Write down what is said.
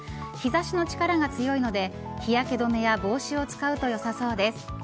日差しの力が強いので日焼け止めや帽子を使うと良さそうです。